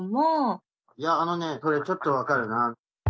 いやあのねそれちょっと分かるな。